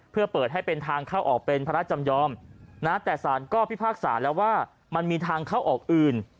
เพื่อเปิดให้เป็นทางเข้าออกเป็นภาระจำยอมนะแต่สารก็พิพากษาแล้วว่ามันมีทางเข้าออกอื่น